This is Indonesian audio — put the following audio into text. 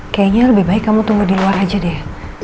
kayaknya lebih baik kamu tunggu di luar aja deh